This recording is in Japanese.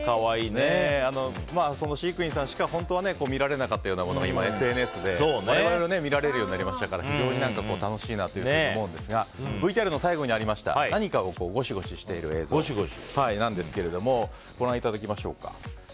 飼育員さんしか本当は見られなかったようなものが今、ＳＮＳで我々も見られるようになりましたから非常に楽しいなと思うんですがＶＴＲの最後にありました何かをゴシゴシしている映像なんですけどもご覧いただきましょうか。